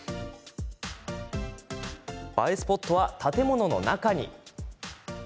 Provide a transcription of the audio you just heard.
映えスポットは、建物の中に。